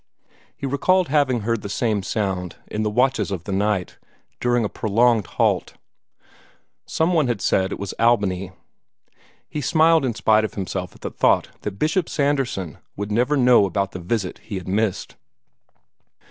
He recalled having heard the same sound in the watches of the night, during a prolonged halt. Some one had said it was Albany. He smiled in spite of himself at the thought that Bishop Sanderson would never know about the visit he had missed.